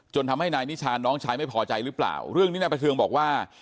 ทำให้นายนิชาน้องชายไม่พอใจหรือเปล่าเรื่องนี้นายประเทืองบอกว่า